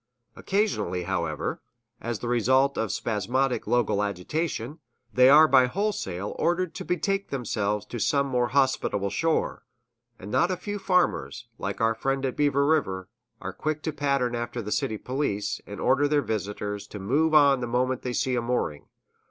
Occasionally, however, as the result of spasmodic local agitation, they are by wholesale ordered to betake themselves to some more hospitable shore; and not a few farmers, like our friend at Beaver River, are quick to pattern after the city police, and order their visitors to move on the moment they seek a mooring.